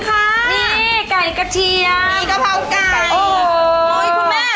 อ้ายมาเลย